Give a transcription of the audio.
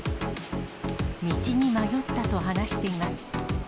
道に迷ったと話しています。